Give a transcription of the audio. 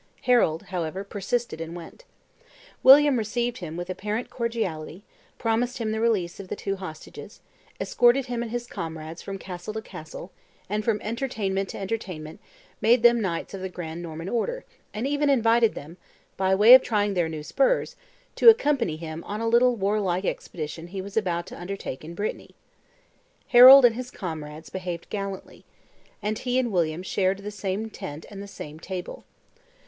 Harold, however, persisted and went. William received him with apparent cordiality, promised him the release of the two hostages, escorted him and his comrades from castle to castle, and from entertainment to entertainment, made them knights of the grand Norman order, and even invited them, "by way of trying their new spurs," to accompany him on a little warlike expedition he was about to undertake in Brittany. Harold and his comrades behaved gallantly: and he and William shared the same tent and the same table.